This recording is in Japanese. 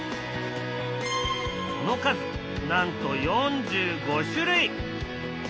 その数なんと４５種類。